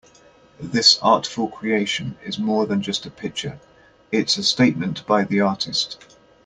This artful creation is more than just a picture, it's a statement by the artist.